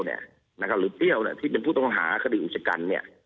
หรือเปรี้ยวที่เป็นผู้ต้องหาคดีอุชกัน